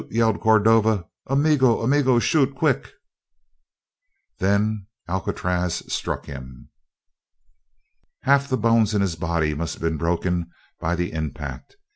yelled Cordova. "Amigo, amigo, shoot! Quick " Then Alcatraz struck him! Half the bones in his body must have been broken by the impact.